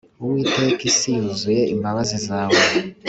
Uwiteka isi yuzuye imbabazi zawe